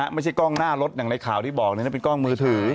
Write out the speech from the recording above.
ไม่ใช่กล้องหน้ารถอย่างในข่าวที่บอกเป็นกล้องมือถือ